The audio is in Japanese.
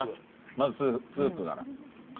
まずスープから。